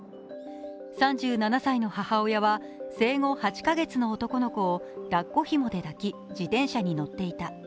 ３７歳の母親は生後８カ月の男の子をだっこひもで抱き、自転車に乗っていた。